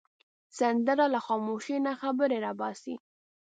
سندره له خاموشۍ نه خبرې را باسي